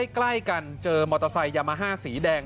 ใกล้กันเจอมอเตอร์ไซค์ยามาฮ่าสีแดง